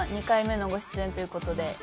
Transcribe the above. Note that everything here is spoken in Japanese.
２回目のご出演という事で。